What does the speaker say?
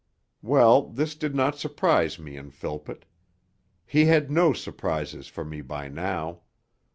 Well, this did not surprise me in Philpott; he had no surprises for me by now.